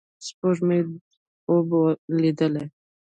سپوږمۍ خوب لیدې